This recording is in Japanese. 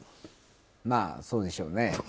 まあ、そうでしょうね。